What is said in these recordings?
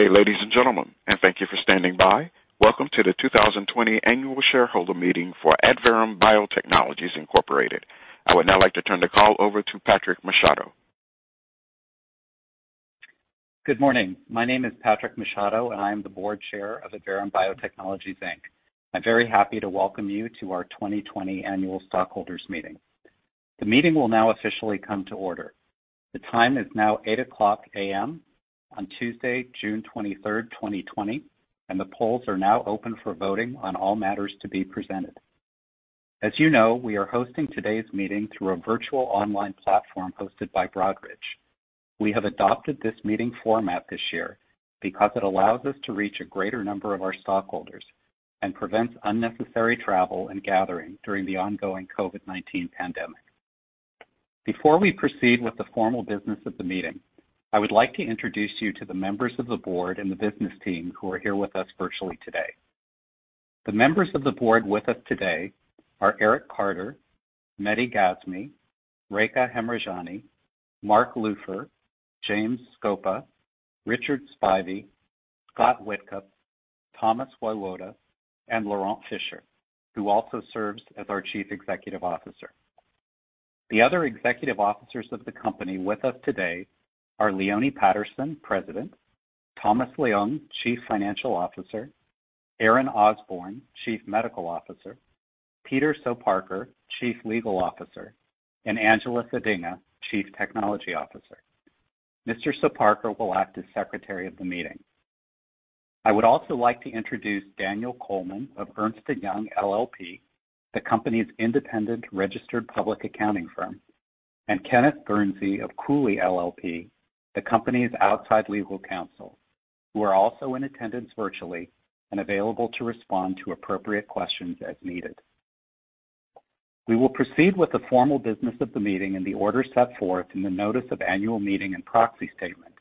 Good day, ladies and gentlemen, and thank you for standing by. Welcome to the 2020 Annual Shareholder Meeting for Adverum Biotechnologies Incorporated. I would now like to turn the call over to Patrick Machado. Good morning. My name is Patrick Machado, and I am the Board Chair of Adverum Biotechnologies Inc. I am very happy to welcome you to our 2020 Annual Stockholders Meeting. The meeting will now officially come to order. The time is now 8:00 A.M. on Tuesday, June 23rd, 2020, and the polls are now open for voting on all matters to be presented. As you know, we are hosting today's meeting through a virtual online platform hosted by Broadridge. We have adopted this meeting format this year because it allows us to reach a greater number of our stockholders and prevents unnecessary travel and gathering during the ongoing COVID-19 pandemic. Before we proceed with the formal business of the meeting, I would like to introduce you to the members of the board and the business team who are here with us virtually today. The members of the board with us today are Eric Carter, Mehdi Gasmi, Rekha Hemrajani, Mark Lupher, James Scopa, Richard Spivey, Scott Whitcup, Thomas Woiwode, and Laurent Fischer, who also serves as our Chief Executive Officer. The other executive officers of the company with us today are Leone Patterson, President, Thomas Leung, Chief Financial Officer, Aaron Osborne, Chief Medical Officer, Peter Soparkar, Chief Legal Officer, and Angela Thedinga, Chief Technology Officer. Mr. Soparkar will act as secretary of the meeting. I would also like to introduce Daniel Coleman of Ernst & Young LLP, the company's independent registered public accounting firm, and Kenneth Guernsey of Cooley LLP, the company's outside legal counsel, who are also in attendance virtually and available to respond to appropriate questions as needed. We will proceed with the formal business of the meeting in the order set forth in the notice of annual meeting and proxy statement,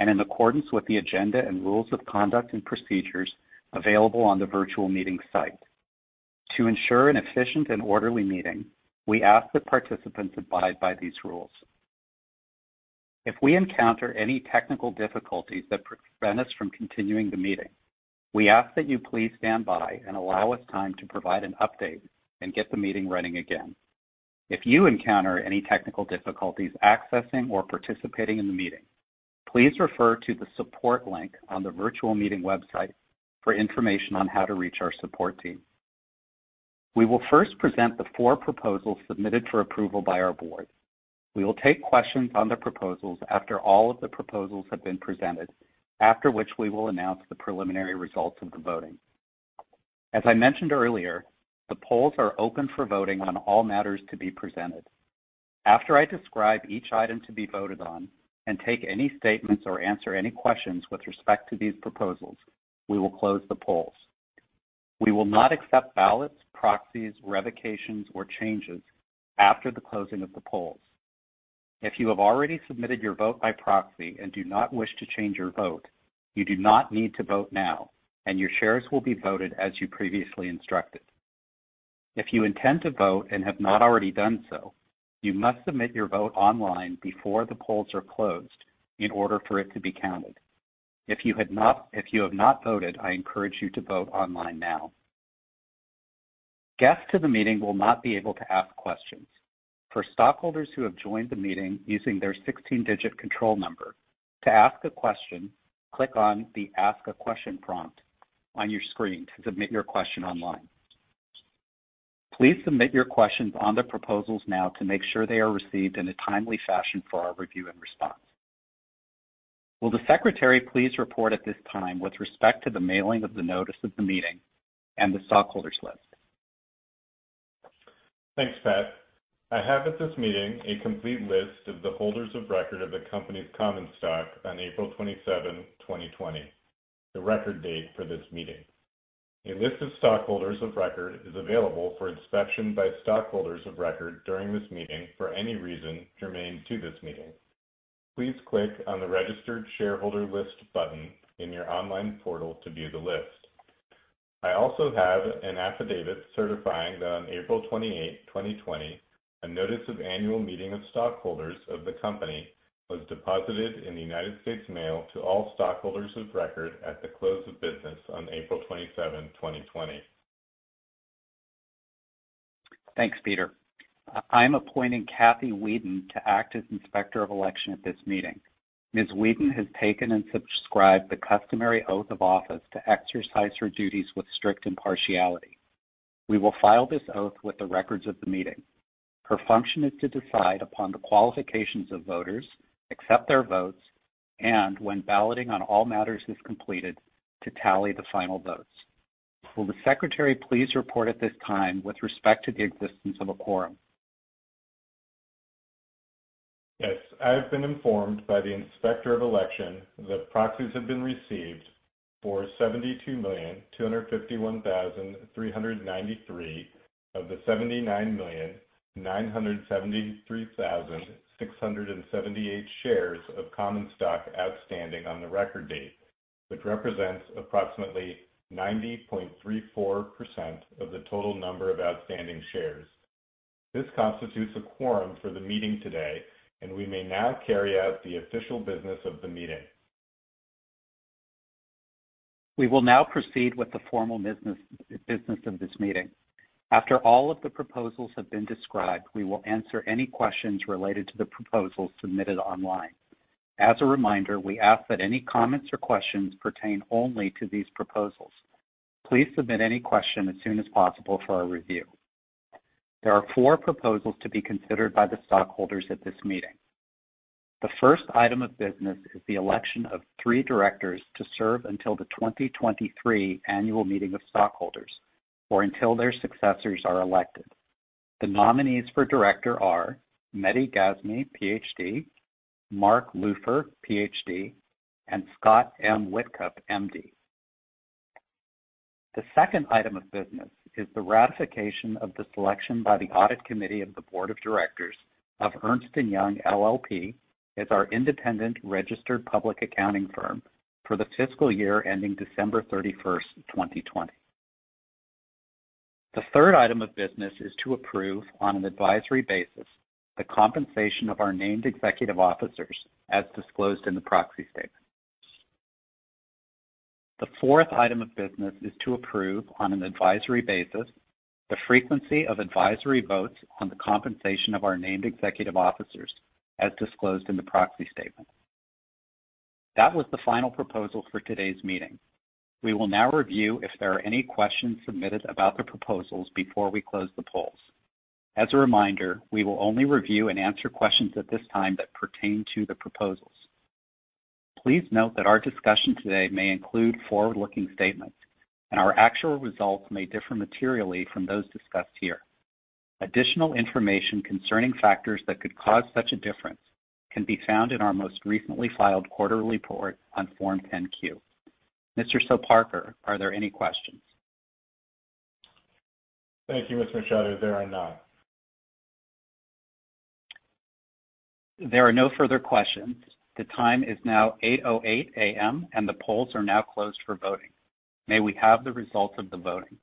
and in accordance with the agenda and rules of conduct and procedures available on the virtual meeting site. To ensure an efficient and orderly meeting, we ask that participants abide by these rules. If we encounter any technical difficulties that prevent us from continuing the meeting, we ask that you please stand by and allow us time to provide an update and get the meeting running again. If you encounter any technical difficulties accessing or participating in the meeting, please refer to the support link on the virtual meeting website for information on how to reach our support team. We will first present the four proposals submitted for approval by our board. We will take questions on the proposals after all of the proposals have been presented, after which we will announce the preliminary results of the voting. As I mentioned earlier, the polls are open for voting on all matters to be presented. After I describe each item to be voted on and take any statements or answer any questions with respect to these proposals, we will close the polls. We will not accept ballots, proxies, revocations, or changes after the closing of the polls. If you have already submitted your vote by proxy and do not wish to change your vote, you do not need to vote now, and your shares will be voted as you previously instructed. If you intend to vote and have not already done so, you must submit your vote online before the polls are closed in order for it to be counted. If you have not voted, I encourage you to vote online now. Guests to the meeting will not be able to ask questions. For stockholders who have joined the meeting using their 16-digit control number, to ask a question, click on the Ask a Question prompt on your screen to submit your question online. Please submit your questions on the proposals now to make sure they are received in a timely fashion for our review and response. Will the secretary please report at this time with respect to the mailing of the notice of the meeting and the stockholders list? Thanks, Pat. I have at this meeting a complete list of the holders of record of the company's common stock on April 27, 2020, the record date for this meeting. A list of stockholders of record is available for inspection by stockholders of record during this meeting for any reason germane to this meeting. Please click on the Registered Shareholder List button in your online portal to view the list. I also have an affidavit certifying that on April 28, 2020, a notice of annual meeting of stockholders of the company was deposited in the U.S. mail to all stockholders of record at the close of business on April 27, 2020. Thanks, Peter. I'm appointing Cathy Weeden to act as Inspector of Election at this meeting. Ms. Weeden has taken and subscribed the customary oath of office to exercise her duties with strict impartiality. We will file this oath with the records of the meeting. Her function is to decide upon the qualifications of voters, accept their votes, and when balloting on all matters is completed, to tally the final votes. Will the secretary please report at this time with respect to the existence of a quorum? Yes. I have been informed by the Inspector of Election that proxies have been received for 72,251,393 of the 79,973,678 shares of common stock outstanding on the record date, which represents approximately 90.34% of the total number of outstanding shares. This constitutes a quorum for the meeting today. We may now carry out the official business of the meeting. We will now proceed with the formal business of this meeting. After all of the proposals have been described, we will answer any questions related to the proposals submitted online. As a reminder, we ask that any comments or questions pertain only to these proposals. Please submit any question as soon as possible for our review. There are four proposals to be considered by the stockholders at this meeting. The first item of business is the election of three directors to serve until the 2023 annual meeting of stockholders or until their successors are elected. The nominees for director are Mehdi Gasmi, PhD, Mark Lupher, PhD, and Scott M. Whitcup, MD. The second item of business is the ratification of the selection by the Audit Committee of the Board of Directors of Ernst & Young LLP as our independent registered public accounting firm for the fiscal year ending December 31st, 2020. The third item of business is to approve, on an advisory basis, the compensation of our named executive officers as disclosed in the proxy statement. The fourth item of business is to approve, on an advisory basis, the frequency of advisory votes on the compensation of our named executive officers as disclosed in the proxy statement. That was the final proposal for today's meeting. We will now review if there are any questions submitted about the proposals before we close the polls. As a reminder, we will only review and answer questions at this time that pertain to the proposals. Please note that our discussion today may include forward-looking statements, and our actual results may differ materially from those discussed here. Additional information concerning factors that could cause such a difference can be found in our most recently filed quarterly report on Form 10-Q. Mr. Soparkar, are there any questions? Thank you, Mr. Machado. There are none. There are no further questions. The time is now 8:08 A.M., and the polls are now closed for voting. May we have the results of the voting?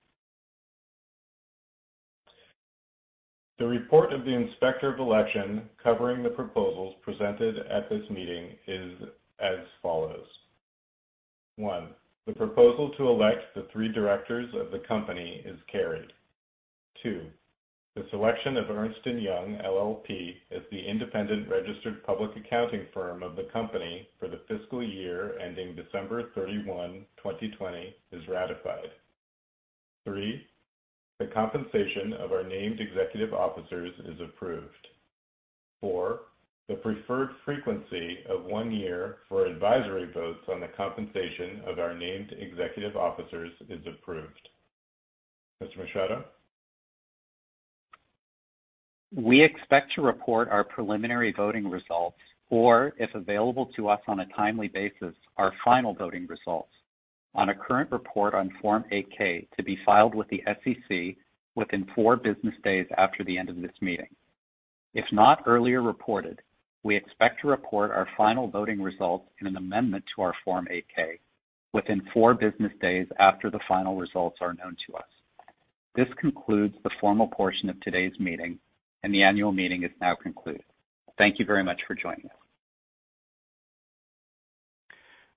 The report of the Inspector of Election covering the proposals presented at this meeting is as follows. One, the proposal to elect the three directors of the company is carried. Two, the selection of Ernst & Young LLP as the independent registered public accounting firm of the company for the fiscal year ending December 31, 2020, is ratified. Three, the compensation of our named executive officers is approved. Four, the preferred frequency of one year for advisory votes on the compensation of our named executive officers is approved. Mr. Machado? We expect to report our preliminary voting results, or, if available to us on a timely basis, our final voting results on a current report on Form 8-K to be filed with the SEC within four business days after the end of this meeting. If not earlier reported, we expect to report our final voting results in an amendment to our Form 8-K within four business days after the final results are known to us. This concludes the formal portion of today's meeting, and the annual meeting is now concluded. Thank you very much for joining us.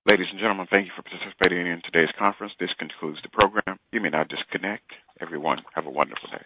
Ladies and gentlemen, thank you for participating in today's conference. This concludes the program. You may now disconnect. Everyone, have a wonderful day.